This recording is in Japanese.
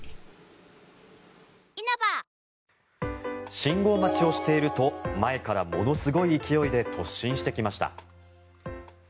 信号待ちをしていると前からものすごい勢いで突進してきました。